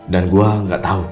dan gue gak tau